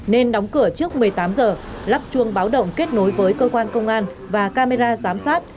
nên đóng cửa trước một mươi tám giờ lắp chuông báo động kết nối với cơ quan công an và camera giám sát